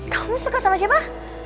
kamu suka sama siapa